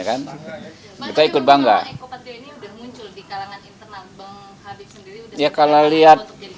pak eko patria ini sudah muncul di kalangan internal bang habib sendiri sudah mencari untuk jadi calon